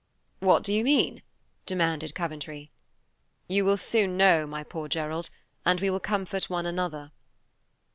"What do you mean?" demanded Coventry. "You will soon know, my poor Gerald, and we will comfort one another."